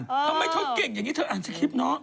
ทำไมเธอเก่งอย่างนี้เธออ่านสคริปต์เนาะ